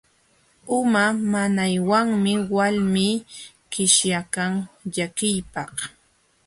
Uma nanaywanmi walmii qishyaykan llakiypaq.